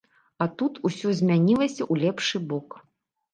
А тут усё змянілася ў лепшы бок.